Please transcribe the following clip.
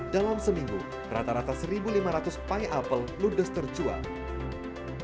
dalam seminggu rata rata satu lima ratus pie apple ludes terjual